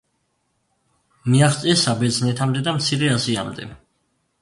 მიაღწიეს საბერძნეთამდე და მცირე აზიამდე.